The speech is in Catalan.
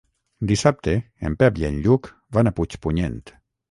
Dissabte en Pep i en Lluc van a Puigpunyent.